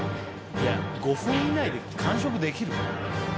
５分以内で完食できる？